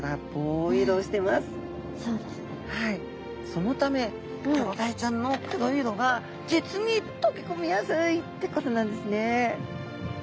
そのためクロダイちゃんの黒い色が実に溶け込みやすいってことなんですね。